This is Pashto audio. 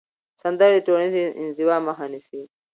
سندرې د ټولنیزې انزوا مخه نیسي.